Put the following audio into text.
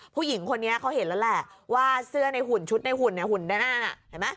ผู้หญิงคนนี้เขาเห็นแล้วแหละว่าเสื้อในหุ่นชุดในหุ่นเนี่ยหุ่นด้านหน้าน่ะเห็นไหม